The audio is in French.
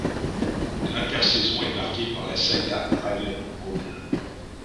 L'intersaison est marquée par la saga Ryan Braun.